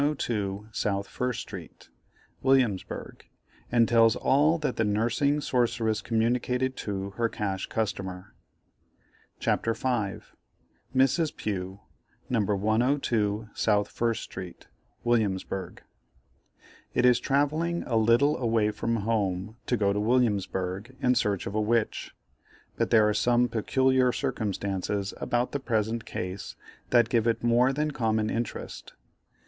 102 South First Street, Williamsburgh, and tells all that Nursing Sorceress communicated to her Cash Customer. CHAPTER V. MRS. PUGH, No. 102 SOUTH FIRST STREET, WILLIAMSBURGH. It is travelling a little away from home to go to Williamsburgh in search of a witch, but there are some peculiar circumstances about the present case, that give it more than common interest.